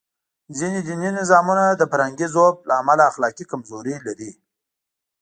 ځینې دیني نظامونه د فرهنګي ضعف له امله اخلاقي کمزوري لري.